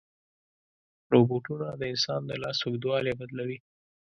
روبوټونه د انسان د لاس اوږدوالی بدلوي.